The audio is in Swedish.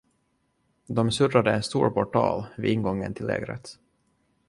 De surrade en stor portal vid ingången till lägret.